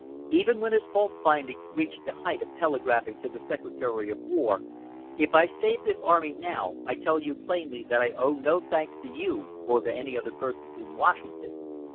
Even when his fault finding reached the height of telegraphing to the Secretary of War, "If I save this army now I tell you plainly that I owe no thanks to you or to any other persons in Washington.